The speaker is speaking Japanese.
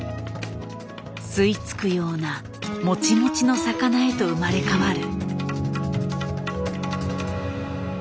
吸い付くようなモチモチの魚へと生まれ変わる。